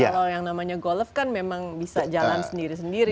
kalau yang namanya golf kan memang bisa jalan sendiri sendiri